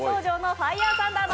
ファイアーサンダー！